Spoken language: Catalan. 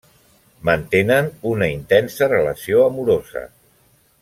Mantenen una intensa relació amorosa.